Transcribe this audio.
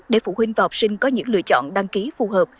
để phụ huynh và học sinh có những lựa chọn đăng ký phù hợp